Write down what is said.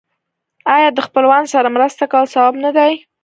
آیا د خپلوانو سره مرسته کول ثواب نه دی؟